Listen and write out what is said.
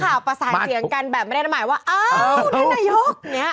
นักข่าวประสานเสียงกันแบบไม่ได้หมายว่าอ้าวท่านนายก